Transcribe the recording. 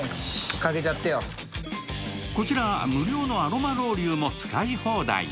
こちら無料のアロマロウリュウも使い放題。